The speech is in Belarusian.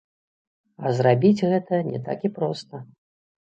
А зрабіць гэта не так і проста.